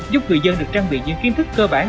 giúp người dân được trang bị những kiến thức cơ bản